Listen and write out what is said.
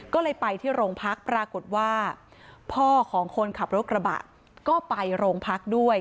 ก็เลยไปที่โรงพักปรากฏว่าพ่อของคนขับรถกระบะก็ไปโรงพักด้วย